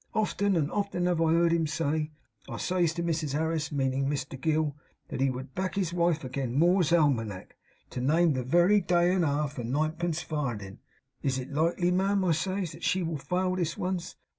Often and often have I heerd him say," I says to Mrs Harris, meaning Mr Gill, "that he would back his wife agen Moore's almanack, to name the very day and hour, for ninepence farden. IS it likely, ma'am," I says, "as she will fail this once?"